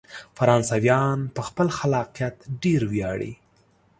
فرانسویان په خپل خلاقیت ډیر ویاړي.